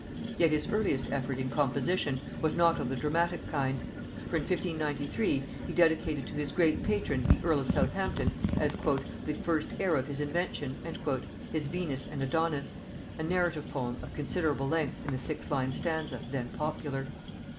Yet his earliest effort in composition was not of the dramatic kind; for in 1593 he dedicated to his great patron the earl of Southampton, as "the first heir of his invention," his Venus and Adonis, a narrative poem of considerable length in the six line stanza then popular.